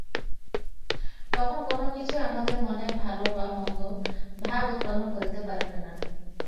তখন কোন কিছুই আমাদের মনে ভাল বা মন্দ ভাব উৎপন্ন করিতে পারিবে না।